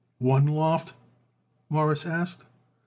"One loft?" Morris asked.